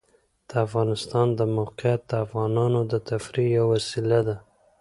د افغانستان د موقعیت د افغانانو د تفریح یوه وسیله ده.